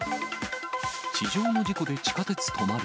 地上の事故で地下鉄止まる。